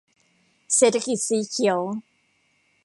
เศรษฐกิจสีเขียว